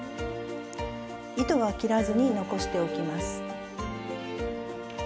糸は切らずに残しておきます。